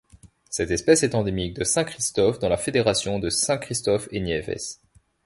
Cette espèce est endémique de Saint-Christophe dans la fédération de Saint-Christophe-et-Niévès.